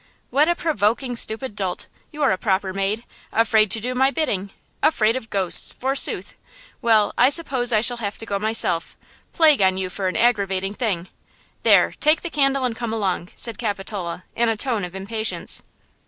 "What a provoking, stupid dolt! You're a proper maid–afraid to do my bidding! Afraid of ghosts, forsooth. Well, I suppose I shall have to go myself–plague on you for an aggravating thing! There–take the candle and come along!" said Capitola, in a tone of impatience.